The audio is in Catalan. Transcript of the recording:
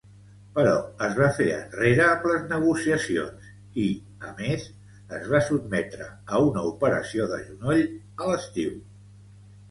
Però es va fer enrere amb les negociacions i, a més, es va sotmetre a una operació de genoll a l'estiu.